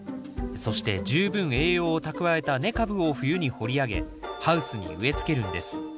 そして十分栄養を蓄えた根株を冬に掘り上げハウスに植えつけるんです。